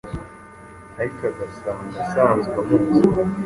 ariko agasanga asanzwe amuzi: